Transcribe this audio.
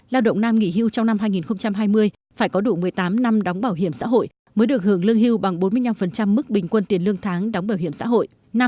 lao động nam nghỉ hưu trong năm hai nghìn hai mươi phải có đủ một mươi tám năm đóng bảo hiểm xã hội mới được hưởng lương hưu bằng bốn mươi năm mức bình quân tiền lương tháng đóng bảo hiểm xã hội